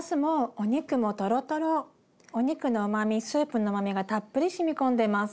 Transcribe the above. お肉のうまみスープのうまみがたっぷりしみ込んでます。